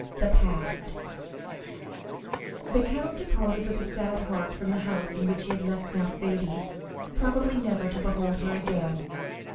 The Past The count departed with a sad heart from the house in which he had left Mercédès, probably never to behold her again.